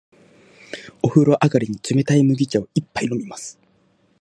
お風呂上がりに、冷たい麦茶を一杯飲みます。